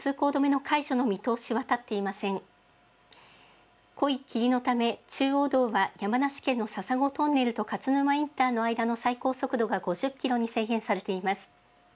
濃い霧のため、中央道は山梨県の笹子トンネルと勝沼インターの間の最高速度が５０キロに制限されています。